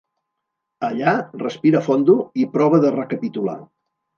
Allà respira fondo i prova de recapitular.